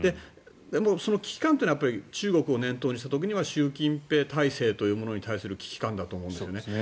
その危機感というのは中国を念頭にした時には習近平体制というものに対する危機感だと思うんですね。